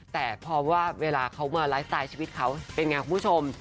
แต่พอว่าเวลาเขามาไลฟ์สไตล์ชีวิตเขาเป็นไงคุณผู้ชม